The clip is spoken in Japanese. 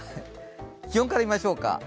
気温から見ましょうか。